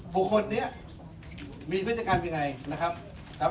บุคคลนี้มีพฤติกรรมยังไงนะครับ